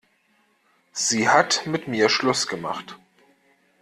Sie hat mit mir Schluss gemacht.